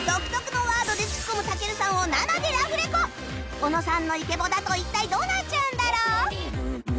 小野さんのイケボだと一体どうなっちゃうんだろう？